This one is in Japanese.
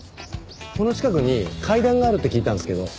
この近くに階段があるって聞いたんですけど。